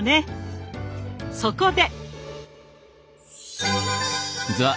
そこで。